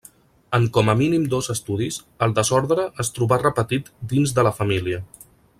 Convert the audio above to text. En com a mínim dos estudis el desorde es trobà repetit dins de la família.